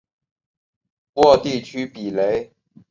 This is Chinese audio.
沃地区比雷。